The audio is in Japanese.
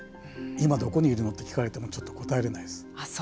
今どこにいるの？と聞かれてもちょっと答えられないです。